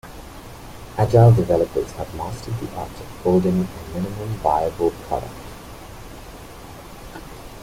Agile developers have mastered the art of building a minimum viable product.